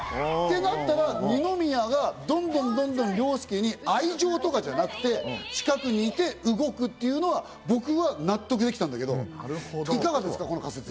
てなったら、二宮がどんどん、どんどん凌介に愛情とかじゃなくて近くにいて動くっていうのは、僕は納得できたんだけど、いかがですか？